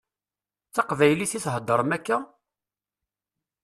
D taqbaylit i theddṛem akka?